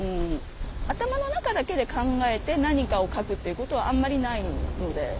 頭の中だけで考えて何かを書くっていうことはあんまりないので。